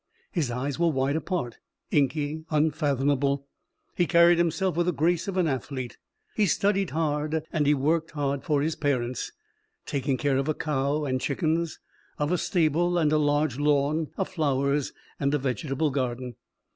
His eyes were wide apart, inky, unfathomable. He carried himself with the grace of an athlete. He studied hard and he worked hard for his parents, taking care of a cow and chickens, of a stable and a large lawn, of flowers and a vegetable garden.